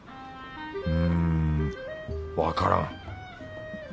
んわからん。